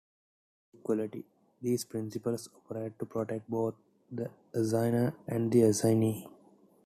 In equity, these principles operate to protect both the assignor and the assignee.